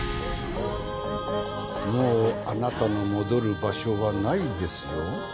もうあなたの戻る場所はないですよ。